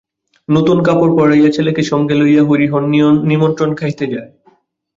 নূতন কাপড় পরাইয়া ছেলেকে সঙ্গে লইয়া হরিহর নিমন্ত্রণ খাইতে যায়।